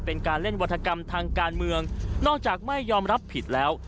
เป็นการเล่นวัฒกรรมทางการเมืองนอกจากไม่ยอมรับผิดแล้ว